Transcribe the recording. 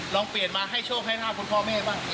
ลองเปลี่ยนมาให้โชคให้ลาบคุณพ่อแม่บ้าง